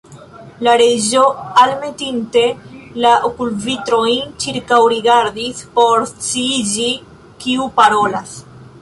La Reĝo, almetinte la okulvitrojn, ĉirkaŭrigardis por sciiĝi kiu parolas.